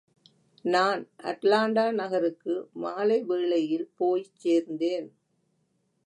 நான் அட்லாண்டா நகருக்கு மாலைவேளையில் போய்ச் சேர்ந்தேன்.